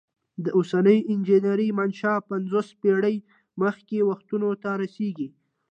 د اوسنۍ انجنیری منشا پنځوس پیړۍ مخکې وختونو ته رسیږي.